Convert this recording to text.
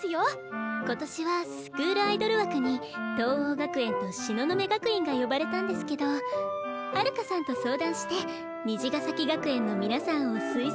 今年はスクールアイドル枠に藤黄学園と東雲学院が呼ばれたんですけど遥さんと相談して虹ヶ咲学園の皆さんを推薦させて頂いたんです。